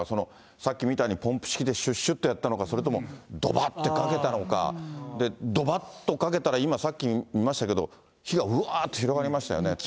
さっきみたいにポンプ式でしゅっしゅってやったのか、それともどばってかけたのか、どばっとかけたら、今、さっき見ましたけれども、火がうわーって広がりましたよね。